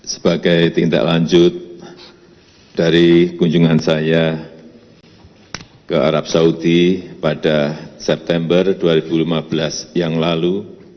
sebagai tindak lanjut dari kunjungan saya ke arab saudi pada september dua ribu lima belas yang lalu